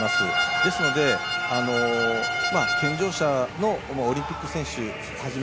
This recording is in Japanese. ですので、健常者のオリンピック選手はじめ